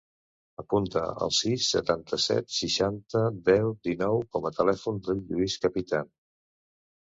Apunta el sis, setanta-set, seixanta, deu, dinou com a telèfon del Lluís Capitan.